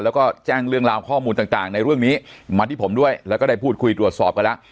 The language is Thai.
แล้วก็แจ้งเรื่องราวข้อมูลต่างในเรื่องนี้มาที่ผมด้วยแล้วก็ได้พูดคุยตรวจสอบกันแล้ว